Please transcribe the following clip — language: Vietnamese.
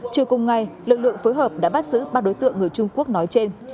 chiều cùng ngày lực lượng phối hợp đã bắt giữ ba đối tượng người trung quốc nói trên